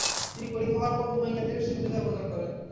তিনি খলিফা হওয়ার পর উমাইয়াদের সুবিধা প্রদান করেন।